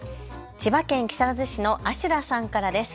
千葉県木更津市のあしゅらさんからです。